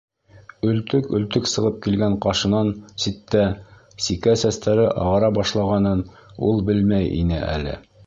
Өлтөк-өлтөк сығып килгән ҡашынан ситтә, сикә сәстәре ағара башлағанын ул белмәй ине әле.